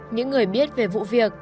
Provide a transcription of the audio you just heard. những người biết về vụ việc